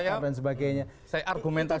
kalau saya saya argumentasi